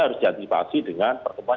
harus diantisipasi dengan pertemuan